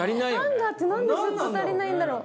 ハンガーってなんでずっと足りないんだろう？